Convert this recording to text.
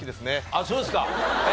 あっそうですか。